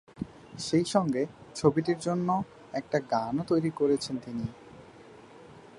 সেইসঙ্গে ছবিটির জন্য একটি গানও তৈরি করেছেন তিনি।